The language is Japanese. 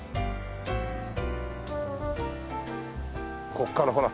ここからほら。